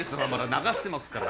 流してますから。